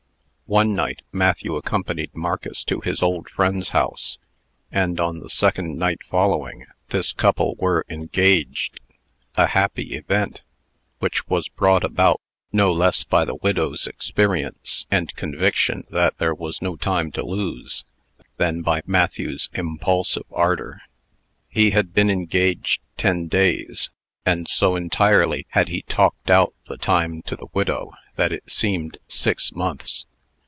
One night, Matthew, accompanied Marcus to his old friend's house; and, on the second night following, this couple were engaged a happy event, which was brought about no less by the widow's experience, and conviction that there was no time to lose, than by Matthew's impulsive ardor. He had been engaged ten days; and so entirely had he talked out the time to the widow, that it seemed six months.